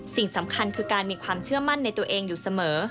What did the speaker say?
สิ่งสำคัญคือการมีความเชื่อมั่นในตัวเองอยู่เสมอ